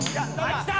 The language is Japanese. きた！